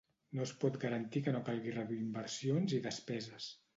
No es pot garantir que no calgui reduir inversions i despeses.